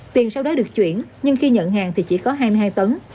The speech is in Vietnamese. tiền sau đó được chuyển nhưng khi nhận hàng thì chỉ có hai mươi hai tấn